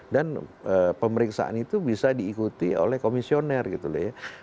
dan pemeriksaan itu bisa diikuti oleh komisioner gitu ya